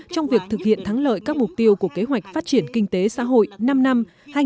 trong việc thực hiện thắng lợi các mục tiêu của kế hoạch phát triển kinh tế xã hội năm năm hai nghìn hai mươi một hai nghìn hai mươi